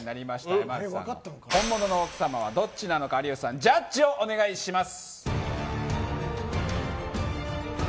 山内さんの本物の奥様はどっちなのか有吉さんジャッジをお願いします。